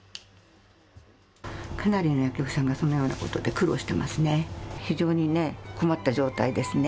かなりの薬局さんがそのようなことで苦労してますね。